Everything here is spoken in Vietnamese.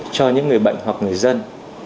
cho những người bệnh hoặc người dân